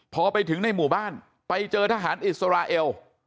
พอไปถึงในหมู่บ้านไปเจอทหารอิสราเอล